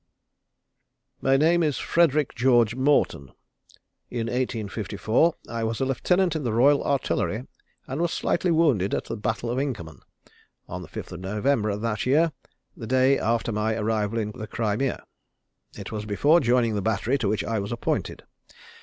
_ My name is Frederick George Morton. In 1854, I was a lieutenant in the Royal Artillery, and was slightly wounded at the battle of Inkermann, on the 5th of November of that year, the day after my arrival in the Crimea. It was before joining the battery to which I was appointed.